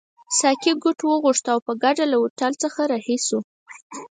ساقي کوټ واغوست او په ګډه له هوټل څخه رهي شوو.